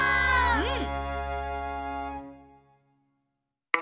うん！